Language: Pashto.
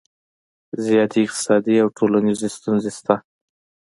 زیاتې اقتصادي او ټولنیزې ستونزې شته